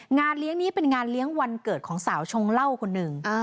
งานเลี้ยงนี้เป็นงานเลี้ยงวันเกิดของสาวชงเหล้าคนหนึ่ง